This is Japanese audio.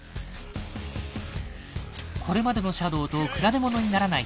これまでのシャドウと比べ物にならない体力。